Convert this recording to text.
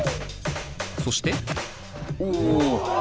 そしてお。